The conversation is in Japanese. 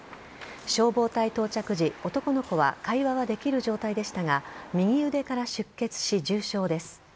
消防隊到着時、男の子は会話はできる状態でしたが右腕から出血し、重傷です。